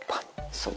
そう。